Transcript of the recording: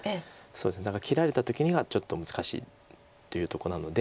だから切られた時にはちょっと難しいというとこなので。